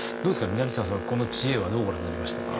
南沢さんはこの知恵はどうご覧になりましたか？